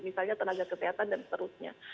misalnya tenaga kesehatan dan seterusnya